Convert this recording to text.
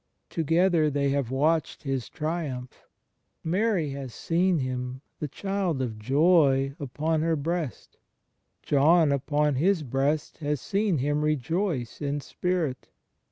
Together they have watched His triumph : Mary has seen Him, the Child of Joy, upon her breast: John upon His breast has seen Him rejoice in spirit.